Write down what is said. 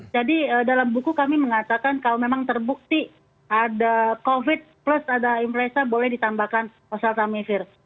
jadi dalam buku kami mengatakan kalau memang terbukti ada covid plus ada influenza boleh ditambahkan osteotamivir